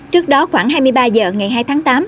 trước đó khoảng hai mươi ba h ngày hai tháng tám